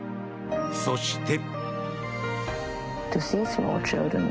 そして。